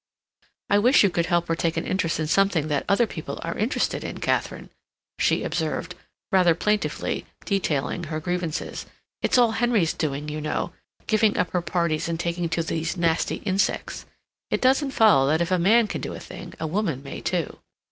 "I wish you could help her to take an interest in something that other people are interested in, Katharine," she observed, rather plaintively, detailing her grievances. "It's all Henry's doing, you know, giving up her parties and taking to these nasty insects. It doesn't follow that if a man can do a thing a woman may too."